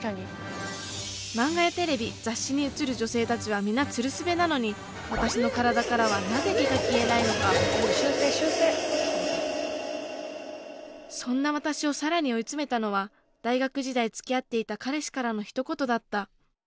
マンガやテレビ雑誌にうつる女性たちは皆ツルスベなのに私の体からはなぜ毛が消えないのかそんな私を更に追い詰めたのは大学時代つきあっていた彼氏からのひと言だった。